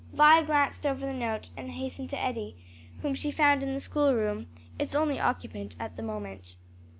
Vi glanced over the note and hastened to Eddie, whom she found in the schoolroom, its only occupant at the moment.